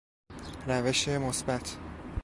روش مثبت